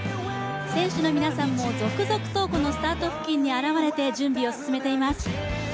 選手の皆さんも続々と、このスタート付近に現れて、準備を進めています。